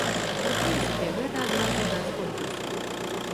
У прынцыпе, гэта адна з задач конкурсу.